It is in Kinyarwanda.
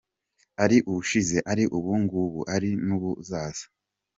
Ari ubushize, ari ubu ngubu, ari n’ubuzaza.